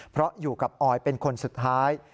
เพราะอยู่กับออยเป็นคนสุดท้าย